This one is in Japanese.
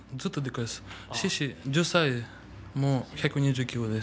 １０歳で１２０ｋｇです。